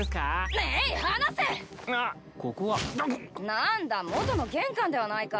何だ元の玄関ではないか。